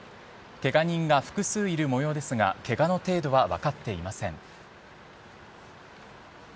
ケガ人が複数いるもようですがケガの程度は分かっていません。